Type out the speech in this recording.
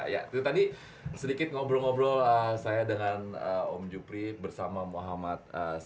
ya tadi sedikit ngobrol ngobrol saya dengan om jupri bersama muhammad sejahtera